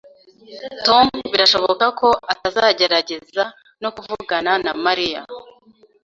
Tom birashoboka ko atazagerageza no kuvugana na Mariya